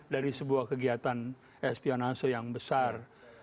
dari sebuah kegiatan espionase yang besar